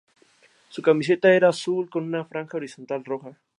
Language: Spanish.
Su camiseta era azul, con una franja horizontal roja.